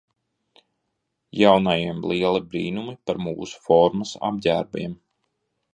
Jaunajiem lieli brīnumi par mūsu formas apģērbiem.